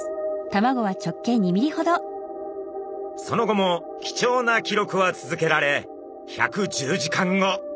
その後も貴重な記録は続けられ１１０時間後。